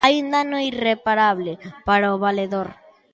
Hai un dano irreparable para o valedor.